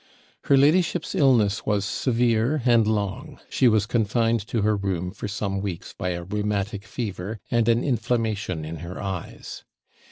Her ladyship's illness was severe and long; she was confined to her room for some weeks by a rheumatic fever, and an inflammation in her eyes.